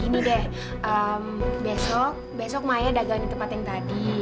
ini deh besok besok maya dagang di tempat yang tadi